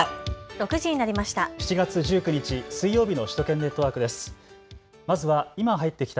６時になりました。